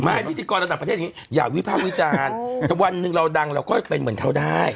พิธีกรระดับประเทศอย่างนี้อย่าวิภาควิจารณ์ถ้าวันหนึ่งเราดังเราก็เป็นเหมือนเขาได้